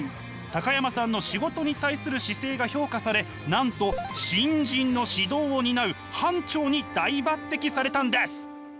高山さんの仕事に対する姿勢が評価されなんと新人の指導を担う班長に大抜てきされたんです。